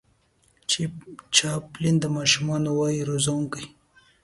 چې چاپلين د ماشومانو وای روزونکی